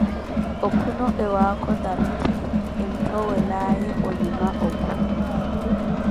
Okhuno ewaakho tarikhi entthowelawe onyuma okho.